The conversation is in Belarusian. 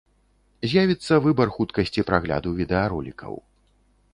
З'явіцца выбар хуткасці прагляду відэаролікаў.